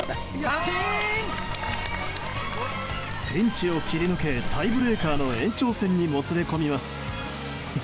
ピンチを切り抜けタイブレークの延長戦にもつれ込みます。